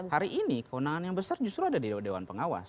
hari ini kewenangan yang besar justru ada di dewan pengawas